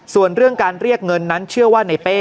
ส่วนเรื่องการเรียกเงินนั้นเชื่อว่าในเป้